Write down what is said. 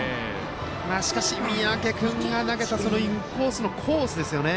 しかし、三宅君が投げたインコースのコースですよね。